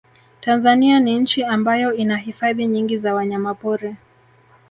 Tanzania ni nchi ambayo ina hifadhi nyingi za wanyamapori